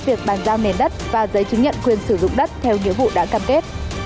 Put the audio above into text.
việc bàn giao nền đất và giấy chứng nhận quyền sử dụng đất theo nghĩa vụ đã cam kết